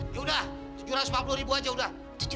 ya udah tujuh ratus lima puluh ribu aja udah